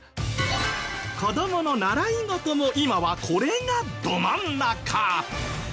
子どもの習い事も今はこれがど真ん中！